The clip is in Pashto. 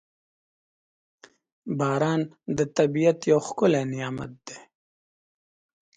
• باران د طبیعت یو ښکلی نعمت دی.